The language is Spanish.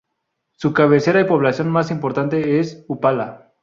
Su cabecera y población más importante es Upala.